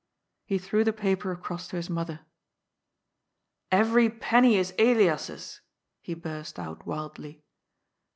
He threw the paper across to his mother. " Every penny is Elias's !" he burst out wildly.